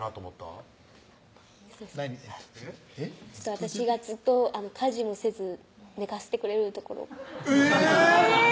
私がずっと家事もせず寝かせてくれるところえぇ！